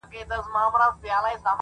مهرباني د زړونو ترمنځ باور کرل دي’